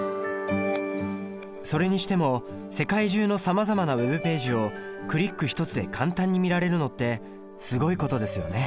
それにしても世界中のさまざまなＷｅｂページをクリック１つで簡単に見られるのってすごいことですよね。